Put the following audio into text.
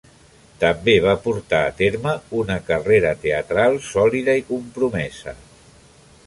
També va portar a terme una carrera teatral sòlida i compromesa.